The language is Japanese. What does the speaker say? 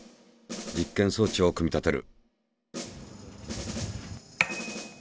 実験装置を組み立てる。